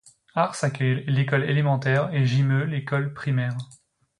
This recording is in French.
Ars accueille l'école élémentaire et Gimeux l'école primaire.